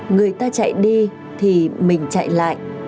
người ta chạy đi thì mình chạy lại